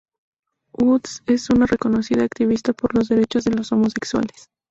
Woods es una reconocida activista por los derechos de los homosexuales.